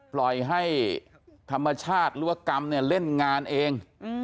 ปล่อยให้ธรรมชาติรั่วกรรมเล่นงานเอง